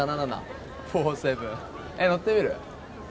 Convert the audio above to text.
乗ってみる？